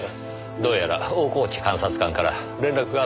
どうやら大河内監察官から連絡があったようですね。